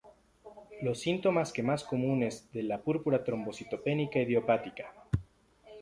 Los síntomas que más comunes de la púrpura trombocitopenia idiopática.